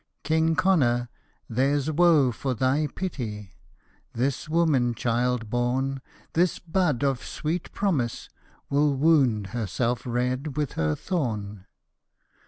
' King Connor, there 's woe for thy pity, this woman child born, This bud of sweet promise, will wound herself red with her thorn.